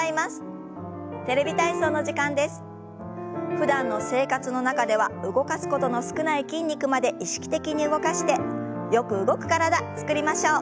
ふだんの生活の中では動かすことの少ない筋肉まで意識的に動かしてよく動く体つくりましょう。